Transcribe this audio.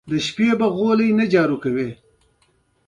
کمي او کیفي څېړنې په پام کې دي.